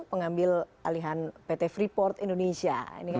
pengambil alihan pt freeport indonesia